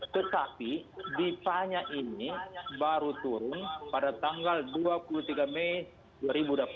tetapi dipanya ini baru turun pada tanggal dua puluh tiga mei dua ribu dua puluh satu